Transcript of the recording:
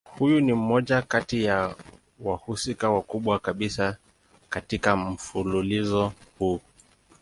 Huyu ni mmoja kati ya wahusika wakubwa kabisa katika mfululizo huu.